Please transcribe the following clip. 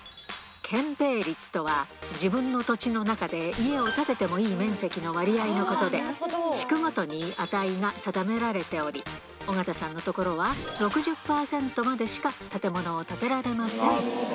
建ぺい率とは、自分の土地の中で家を建ててもいい面積の割合のことで、地区ごとに値が定められており、緒方さんの所は６０％までしか建物を建てられません。